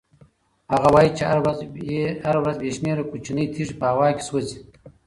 هغه وایي چې هره ورځ بې شمېره کوچنۍ تېږې په هوا کې سوځي.